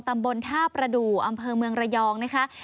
ตำบลท่าประดูกอำเภอเมืองระยองนะคะ